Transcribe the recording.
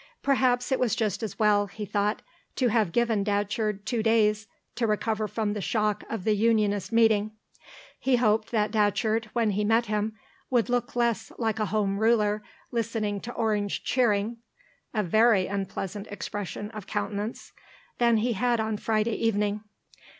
Perhaps it was just as well, he thought, to have given Datcherd two days to recover from the shock of the Unionist meeting. He hoped that Datcherd, when he met him, would look less like a Home Ruler listening to Orange cheering (a very unpleasant expression of countenance) than he had on Friday evening.